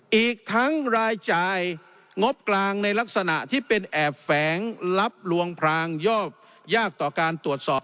อีกทั้งรายจ่ายงบกลางในลักษณะที่เป็นแอบแฝงรับลวงพรางยอบยากต่อการตรวจสอบ